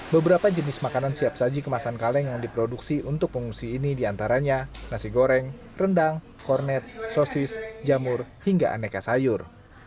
beberapa jenis makanan siap saji kemasan kaleng yang diproduksi untuk pengungsi ini diantaranya nasi goreng rendang kornet sosis jamur hingga aneka sayur